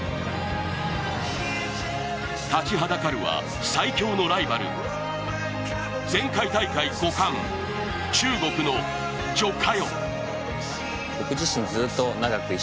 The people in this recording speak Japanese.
立ちはだかるは最強のライバル、前回大会５冠、中国の徐嘉余。